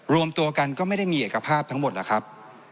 รวมตัวกันก็ไม่ได้มีเอกภาพทั้งหมดนะครับ